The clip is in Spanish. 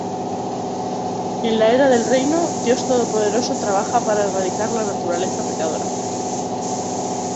En la Era del Reino Dios Todopoderoso trabaja para erradicar la naturaleza pecadora.